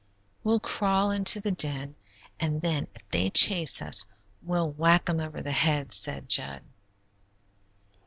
We'll crawl into the den and then if they chase us we'll whack 'em over the head," said Jud.